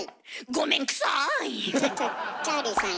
ごめんくさい！